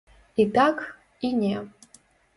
І так, і не.